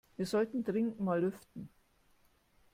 Wir sollten dringend mal lüften.